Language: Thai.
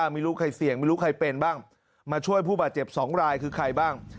ไม่รู้ใครเสี่ยงไม่รู้ใครเป็นบ้างมาช่วยผู้บาดเจ็บ๒รายคือใครบ้าง